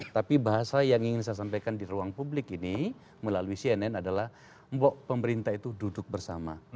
tapi bahasa yang ingin saya sampaikan di ruang publik ini melalui cnn adalah mbok pemerintah itu duduk bersama